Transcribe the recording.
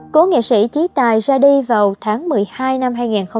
cô nghệ sĩ trí tài ra đi vào tháng một mươi hai năm hai nghìn hai mươi